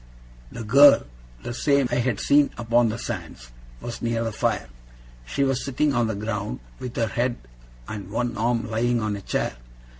The girl the same I had seen upon the sands was near the fire. She was sitting on the ground, with her head and one arm lying on a chair.